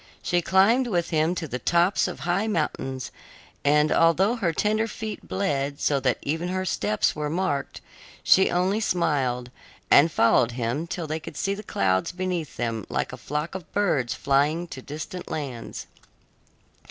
She climbed with him to the tops of high mountains, and although her tender feet bled so that even her steps were marked, she only smiled, and followed him till they could see the clouds beneath them like a flock of birds flying to distant lands.